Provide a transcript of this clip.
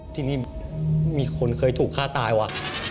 ทีนี้มีคนเคยถูกฆ่าตายว่ะ